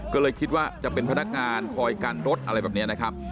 ก็เลยคิดว่าจะเป็นพนักงานคอยกันรถอะไรแบบนี้นะครับ